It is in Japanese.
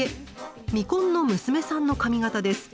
未婚の娘さんの髪型です。